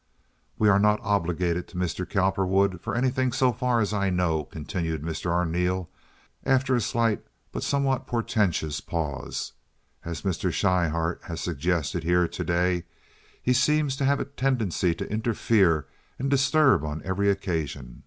"We are not obligated to Mr. Cowperwood for anything so far as I know," continued Mr. Arneel, after a slight but somewhat portentous pause. "As Mr. Schryhart has suggested here to day, he seems to have a tendency to interfere and disturb on every occasion.